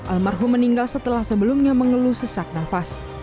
almarhum meninggal setelah sebelumnya mengeluh sesak nafas